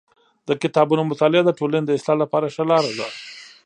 د کتابونو مطالعه د ټولني د اصلاح لپاره ښه لار ده.